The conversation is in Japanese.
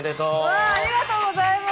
うわーありがとうございます！